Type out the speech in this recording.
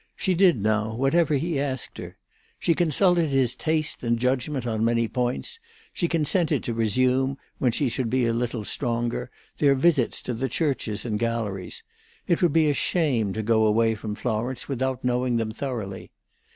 She did, now, whatever he asked her. She consulted his taste and judgment on many points; she consented to resume, when she should be a little stronger, their visits to the churches and galleries: it would be a shame to go away from Florence without knowing them thoroughly.